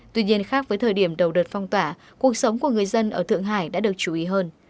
tuy nhiên khác với thời điểm đầu đợt phong tỏa cuộc sống của người dân ở thượng hải đã được chú ý hơn